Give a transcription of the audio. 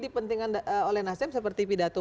dipentingkan oleh nasdem seperti pidato